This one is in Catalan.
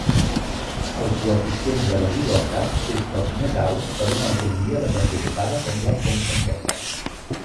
El coeficient de desigualtat és dels més alts per una economia desenvolupada com la hongkonguesa.